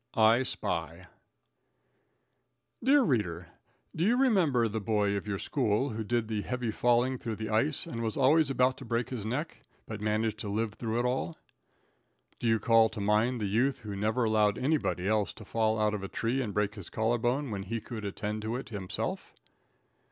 "I Spy." Dear reader, do you remember the boy of your school who did the heavy falling through the ice and was always about to break his neck, but managed to live through it all? Do you call to mind the youth who never allowed anybody else to fall out of a tree and break his collar bone when he could attend to it himself?